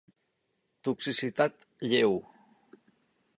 Toxicitat lleu.